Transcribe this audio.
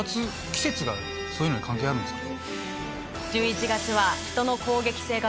季節がそういうのに関係あるんですか？